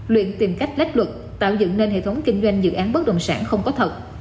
luyện tìm cách lách luật tạo dựng nên hệ thống kinh doanh dự án bất động sản không có thật